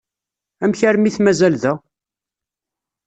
Amek armi i t-mazal da?